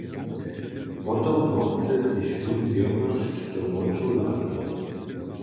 Potom nochce tež wón wěrnosći do wočow hladać.